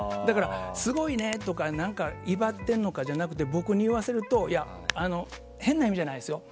すごいねとか威張ってんのかじゃなくて僕に言わせると変な意味じゃないですよ